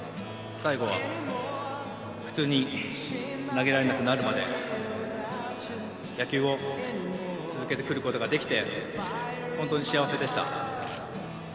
最後は普通に投げられなくなるまで、野球を続けてくることができて、本当に幸せでした。